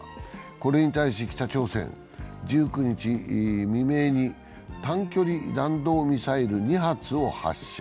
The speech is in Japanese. これに対し北朝鮮は１９日未明に短距離弾道ミサイル２発を発射。